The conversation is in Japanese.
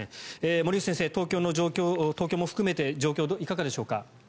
森内先生、東京も含めて状況いかがでしょうか？